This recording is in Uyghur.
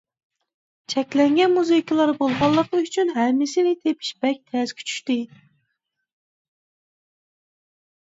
چەكلەنگەن مۇزىكىلار بولغانلىقى ئۈچۈن ھەممىسىنى تېپىش بەك تەسكە چۈشتى.